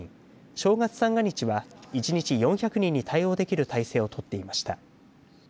正月三が日は１日４００人に対応できる体制をとっていました。